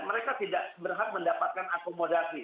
mereka tidak berhak mendapatkan akomodasi